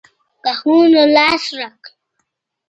که هو نو لاس راکړئ.